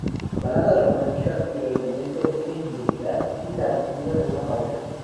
Balada romántica, cuyo argumento es la infidelidad y la ruptura de una pareja.